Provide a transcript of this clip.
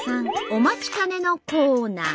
お待ちかねのコーナー！